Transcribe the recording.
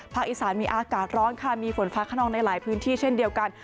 อีสานมีอากาศร้อนค่ะมีฝนฟ้าขนองในหลายพื้นที่เช่นเดียวกัน